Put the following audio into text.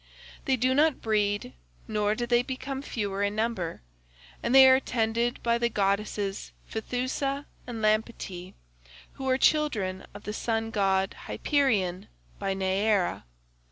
They do not breed, nor do they become fewer in number, and they are tended by the goddesses Phaethusa and Lampetie, who are children of the sun god Hyperion by Neaera.